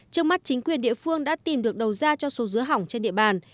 trước mắt chính quyền địa phương đã tìm được đầu ra cho số dứa hỏng trên địa bàn